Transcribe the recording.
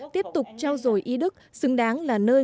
tiếp tục trao dồi ý đức xứng đáng là nơi